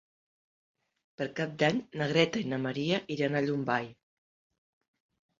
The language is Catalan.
Per Cap d'Any na Greta i en Maria iran a Llombai.